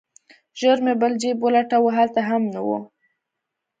ژر مې بل جيب ولټاوه هلته هم نه و.